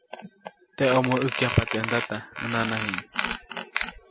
Teʼomo ʼäkyajpa teʼ ndata ʼäj nanajiʼŋ.